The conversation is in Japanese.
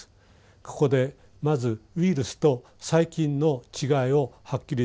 ここでまずウイルスと細菌の違いをはっきりさせておこうと思います。